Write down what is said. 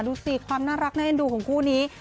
ดูสิความน่ารักดูของคู่นี้